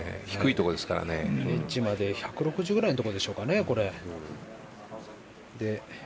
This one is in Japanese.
エッジまで１６０くらいのところでしょうかね。